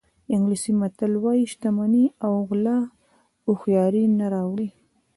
انګلیسي متل وایي شتمني او غلا هوښیاري نه راوړي.